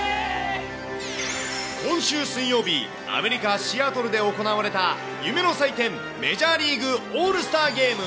今週水曜日、アメリカ・シアトルで行われた夢の祭典、メジャーリーグオールスターゲーム。